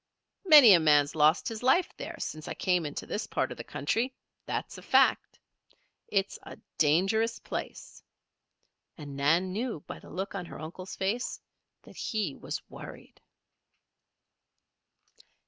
Many a man's lost his life there since I came into this part of the country, that's a fact. It's a dangerous place," and Nan knew by the look on her uncle's face that he was worried.